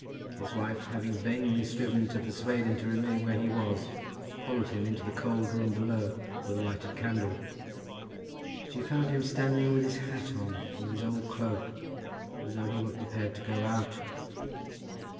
His wife having vainly striven to persuade him to remain where he was, followed him into the cold room below with a lighted candle. She found him standing with his hat on and with his old cloak, as though he were prepared to go out.